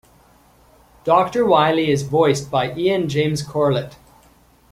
Doctor Wily is voiced by Ian James Corlett.